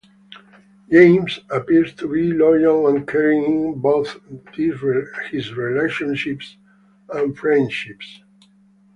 Jamie appears to be loyal and caring in both his relationships and friendships.